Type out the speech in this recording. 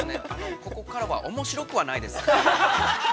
ここからはおもしろくはないです。